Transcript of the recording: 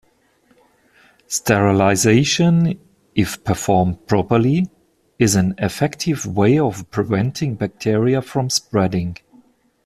Sterilization, if performed properly, is an effective way of preventing bacteria from spreading.